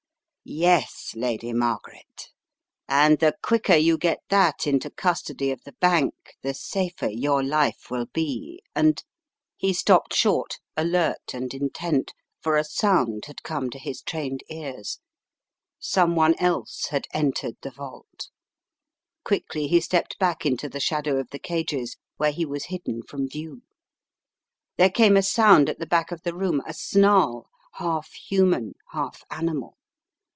"Yes, Lady Margaret, and the quicker you get that into custody of the bank the safer your life will be, and " He stopped short, alert and intent, for a sound had come to his trained ears. Someone else had entered the vault. Quickly he stepped back into the shadow of the cages where* he was hidden from view. There came a sound at the back of the room, a snarl, half human, half animal.